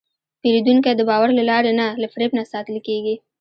پیرودونکی د باور له لارې نه، له فریب نه ساتل کېږي.